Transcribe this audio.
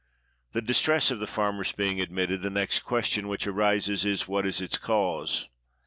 The distress of the farmers being admitted, the next question which arises is, "What is its cause?